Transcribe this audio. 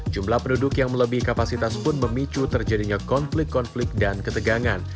jumlah penduduk yang melebihi kapasitas pun memicu terjadinya konflik konflik dan ketegangan